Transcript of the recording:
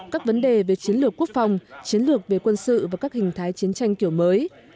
các vấn đề về chiến lược quốc phòng chiến lược về quân sự và các hình thái chiến tranh kiểu mới